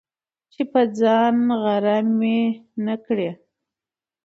چي په ځان غره مي نه کړې،